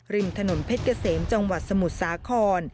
ริมถนนเพชรเกษมจังหวัดสมุทรสาคร